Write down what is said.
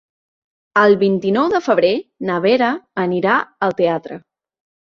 El vint-i-nou de febrer na Vera anirà al teatre.